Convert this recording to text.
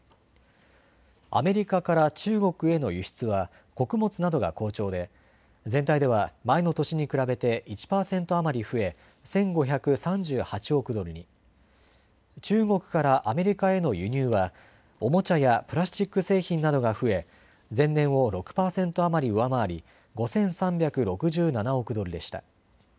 アメリカから中国への輸出は穀物などが好調で全体では前の年に比べて１％余り増え１５３８億ドルに中国からアメリカへの輸入はおもちゃやプラスチック製品などが増え前年を６％余り上回り５３６７億ドルでした。